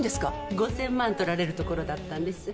５，０００万取られるところだったんです。